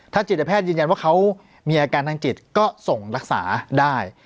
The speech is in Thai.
จิตแพทย์ยืนยันว่าเขามีอาการทางจิตก็ส่งรักษาได้